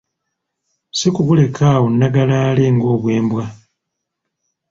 Si kubulekaawo nnagalaale ng‘obwembwa.